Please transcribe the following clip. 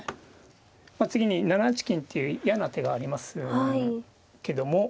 まあ次に７八金という嫌な手がありますけども。